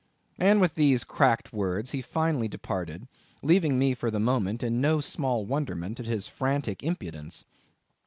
And with these cracked words he finally departed, leaving me, for the moment, in no small wonderment at his frantic impudence.